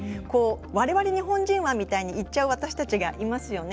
「われわれ日本人は」みたいに言っちゃう私たちがいますよね。